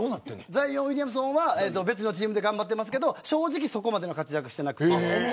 ザイオン・ウィリアムソンは別のチームで頑張ってますけど正直そこまで活躍していません。